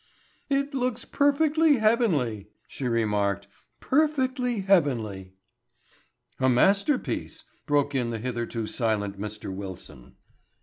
"It looks perfectly heavenly," she remarked. "Perfectly heavenly." "A masterpiece," broken in the hitherto silent Mr. Wilson.